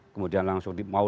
kemudian langsung mau